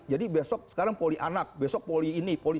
jadi sekarang poli anak besok poli ini poli